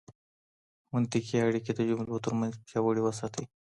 منطقي اړیکي د جملو ترمنځ پیاوړې وساتئ.